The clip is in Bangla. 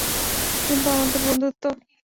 কিন্তু আমাদের বন্ধুত্ব!